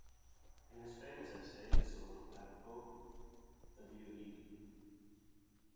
In his famous essay "The Souls of Black Folk", W. E. B.